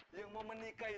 bu kemana bu